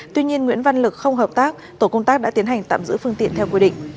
tuy nhiên nguyễn văn lực không hợp tác tổ công tác đã tiến hành tạm giữ phương tiện theo quy định